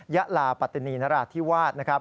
ยะลาปัตตินีนราชที่วาด